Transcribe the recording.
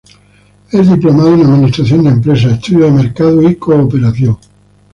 Es diplomado en Administración de Empresas, Estudios de Mercado y Cooperación.